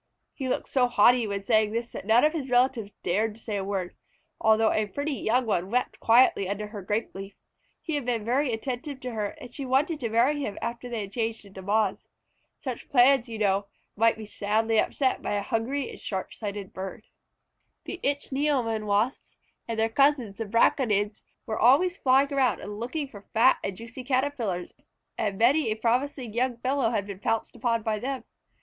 He looked so haughty when saying this that none of his relatives dared to say a word, although a pretty young one wept quietly under her grape leaf. He had been very attentive to her, and she wanted to marry him after they had changed into Moths. Such plans, you know, might be sadly upset by a hungry and sharp sighted bird. Yet birds were not the only people to fear. The Ichneumon Wasps and their cousins the Braconids were always flying around and looking for fat and juicy Caterpillars, and many a promising young fellow had been pounced upon by them.